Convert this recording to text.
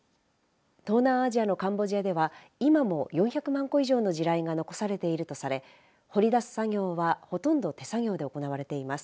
東南アジアのカンボジアでは今も４００万個以上の地雷が残されているとされ掘り出す作業はほとんど手作業で行われています。